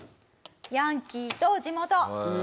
『ヤンキーと地元』。